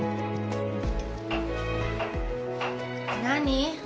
何？